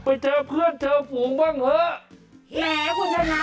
ไปเจอเพื่อนเจอฝูงบ้างเหอะ